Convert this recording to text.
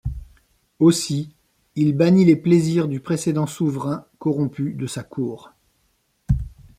Aussi, il bannit les plaisirs du précédent souverain corrompu de sa cour.